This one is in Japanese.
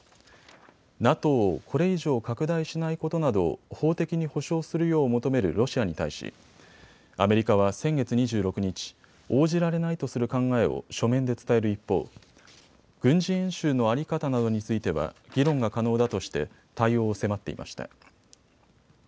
ＮＡＴＯをこれ以上拡大しないことなどを法的に保証するよう求めるロシアに対しアメリカは先月２６日、応じられないとする考えを書面で伝える一方、軍事演習の在り方などについては議論が可能だとして対応を迫っていました。